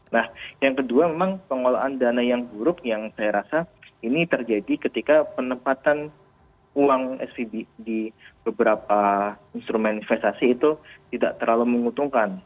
nah yang kedua memang pengelolaan dana yang buruk yang saya rasa ini terjadi ketika penempatan uang svb di beberapa instrumen investasi itu tidak terlalu menguntungkan